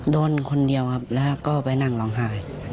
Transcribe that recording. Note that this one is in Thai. โดนคนเดียวครับแล้วก็ไปนั่งร้องไห้